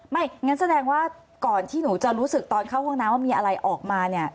ไม่งั้นแสดงว่าก่อนที่หนูจะรู้สึกตอนเข้าห้องน้ำว่ามีอะไรออกมาเนี่ย